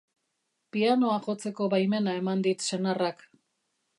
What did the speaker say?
Pianoa jotzeko baimena eman dit senarrak.